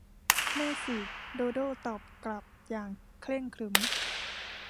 แน่สิ โดโด้ ตอบกลับอย่างเคร่งขรึม